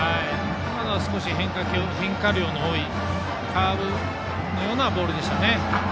今のは変化量の多いカーブのようなボールでしたね。